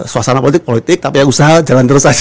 suasana politik politik tapi ya usaha jalan terus aja